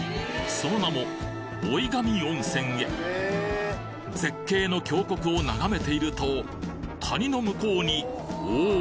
その名も老神温泉へ絶景の峡谷を眺めていると谷の向こうにおお！